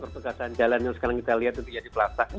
perpegasan jalan yang sekarang kita lihat itu di pelasaknya